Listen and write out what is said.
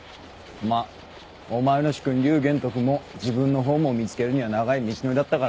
まっお前の主君劉玄徳も自分のホームを見つけるには長い道のりだったからな。